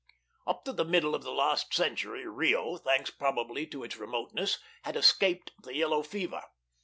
Up to the middle of the last century, Rio, thanks probably to its remoteness, had escaped the yellow fever.